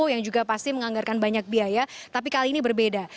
yang juga pasti menganggarkan banyak biaya tapi kali ini berbeda